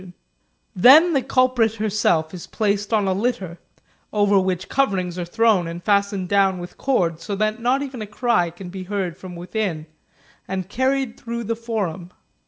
2 Then the culprit herself is placed on a litter, over which coverings are thrown and fastened down with cords so that not even a cry can be heard from within, and carried through the forum.